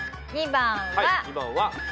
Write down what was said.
２番は。